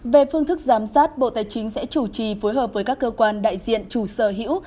về phương thức giám sát bộ tài chính sẽ chủ trì phối hợp với các cơ quan đại diện chủ sở hữu